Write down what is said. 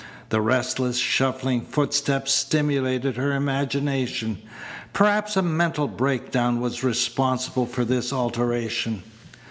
The restless, shuffling footsteps stimulated her imagination. Perhaps a mental breakdown was responsible for this alteration.